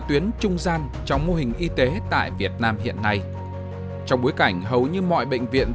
tuyến trung gian trong mô hình y tế tại việt nam hiện nay trong bối cảnh hầu như mọi bệnh viện